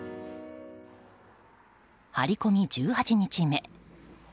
張り込み１８日目。